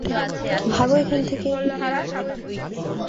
ভাগো এখান থেকে।